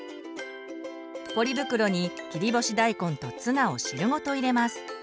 ポリ袋に切り干し大根とツナを汁ごと入れます。